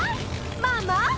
ママ。